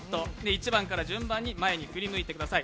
１番から順番に前に振り向いてください。